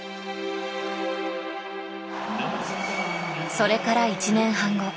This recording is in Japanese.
それから１年半後。